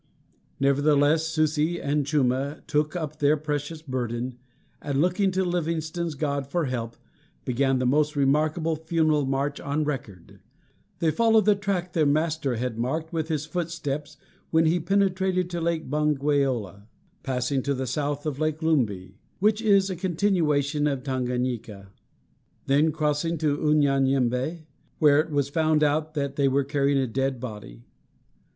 Nevertheless, Susi and Chuma took up their precious burden, and, looking to Livingstone's God for help, began the most remarkable funeral march on record. They followed the track their master had marked with his footsteps when he penetrated to Lake Bangweolo, passing to the south of Lake Lumbi, which is a continuation of Tanganyika, then crossing to Unyanyembe, where it was found out that they were carrying a dead body.